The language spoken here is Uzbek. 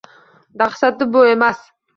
Dahshati bu emas